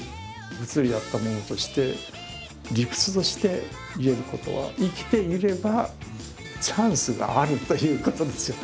物理やった者として理屈として言えることは生きていればチャンスがあるということですよ